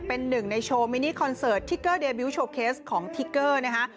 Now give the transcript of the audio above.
เป็นหนึ่งในโชว์มินิคอนเสิร์ตทิกเกอร์เดบิวโชว์เคสของทิกเกอร์นะคะ